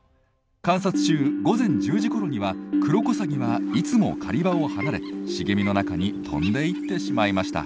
観察中午前１０時ごろにはクロコサギはいつも狩り場を離れ茂みの中に飛んでいってしまいました。